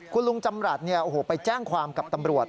คุณลุงจำรัฐเนี่ยโอ้โหไปแจ้งความกับตำรวจ